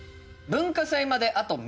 文化祭まであと３日。